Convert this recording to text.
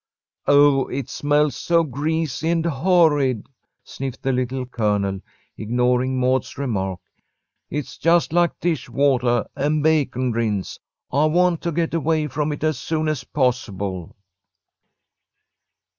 "Ugh! It smells so greasy and horrid," sniffed the Little Colonel, ignoring Maud's remark. "It's just like dishwatah and bacon rinds. I want to get away from it as soon as possible."